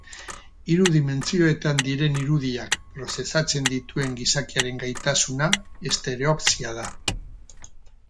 Hiru dimentsiotan diren irudiak prozesatzen dituen gizakiaren gaitasuna, estereopsia da.